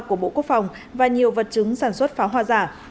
của bộ quốc phòng và nhiều vật chứng sản xuất pháo hoa giả